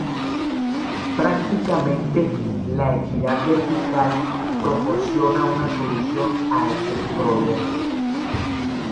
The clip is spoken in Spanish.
Prácticamente, la equidad vertical, proporciona una solución a estos problemas.